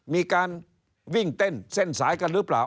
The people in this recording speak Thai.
มีการวิ่งเต้นเส้นสายกันหรือเปล่า